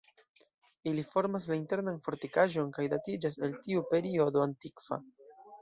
Ili formas la internan fortikaĵon, kaj datiĝas el tiu periodo antikva.